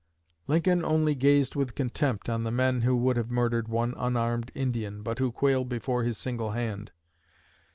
Lincoln only gazed with contempt on the men who would have murdered one unarmed Indian but who quailed before his single hand.